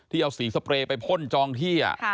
เอาสีสเปรย์ไปพ่นจองที่